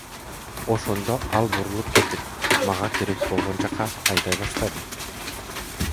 Ошондо ал бурулуп кетип, мага керек болгон жакка айдай баштады.